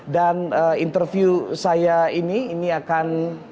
dan interview saya ini akan membahas tentang